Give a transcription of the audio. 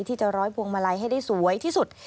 ที่จะร้อยพวงมาลัยให้ได้สวยที่สุด